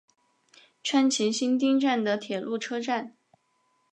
川崎新町站的铁路车站。